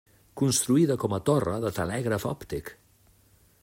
Construïda com a torre de telègraf òptic.